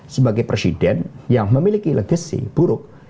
sebagai presiden yang memiliki legacy buruk